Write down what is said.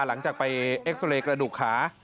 หลังจากไปเอ็กซอเรย์กระดูกขา